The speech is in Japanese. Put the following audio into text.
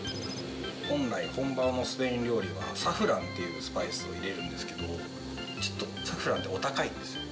本来本場のスペイン料理はサフランっていうスパイスを入れるんですけどちょっとサフランってお高いんですよ。